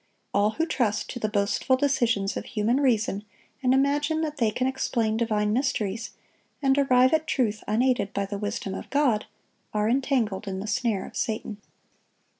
All who trust to the boastful decisions of human reason, and imagine that they can explain divine mysteries, and arrive at truth unaided by the wisdom of God, are entangled in the snare of Satan.